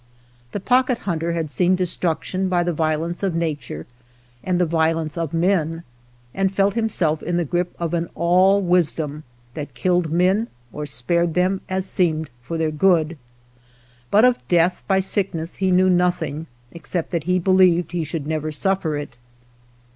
The Pocket Hunter had seen destruction by the violence of nature and the violence 70 H THE POCKET HUNTER of men, and felt himself in the grip of an Ail wisdom that killed men or spared them as seemed for their good ; but of^death by sickness he knew nothing_except that he believed he should never suffer it.